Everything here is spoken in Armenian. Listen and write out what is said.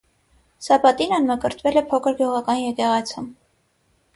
Սաբատինան մկրտվել է փոքր գյուղական եկեղեցում։